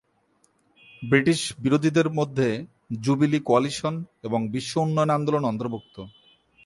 British বিরোধীদের মধ্যে Jubilee Coalition এবং বিশ্ব উন্নয়ন আন্দোলন অন্তর্ভুক্ত।